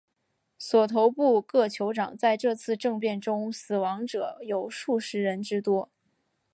索头部各酋长在这次政变中死亡者有数十人之多。